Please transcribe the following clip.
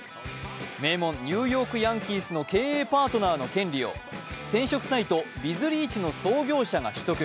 名門ニューヨーク・ヤンキースの経営パートナーの権利を転職サイト・ビズリーチの創業者が取得。